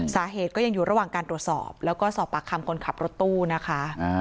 สาเหตุก็ยังอยู่ระหว่างการตรวจสอบแล้วก็สอบปากคำคนขับรถตู้นะคะ